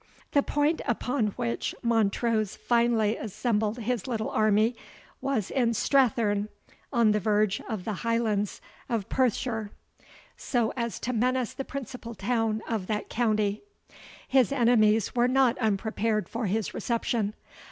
] The point upon which Montrose finally assembled his little army, was in Strathearn, on the verge of the Highlands of Perthshire, so as to menace the principal town of that county. His enemies were not unprepared for his reception.